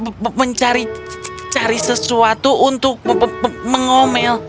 aku sudah mencari sesuatu untuk mengomel